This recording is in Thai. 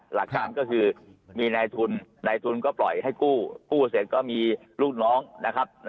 หลักฐานก็คือมีนายทุนนายทุนก็ปล่อยให้กู้กู้เสร็จก็มีลูกน้องนะครับ